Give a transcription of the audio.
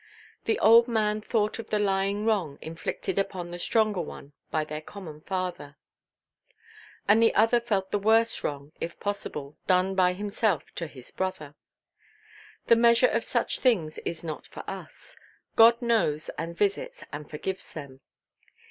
The old man thought of the lying wrong inflicted upon the stronger one by their common father; the other felt the worse wrong—if possible—done by himself to his brother. The measure of such things is not for us. God knows, and visits, and forgives them.